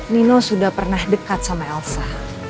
nino sudah pernah dekat sama elsa